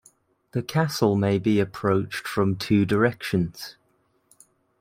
The castle may be approached from two directions.